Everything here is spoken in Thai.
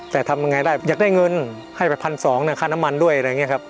แต่ทำยังไงได้อยากได้เงินให้ไป๑๒๐๐บาทค่าน้ำมันด้วยอะไรอย่างนี้ครับ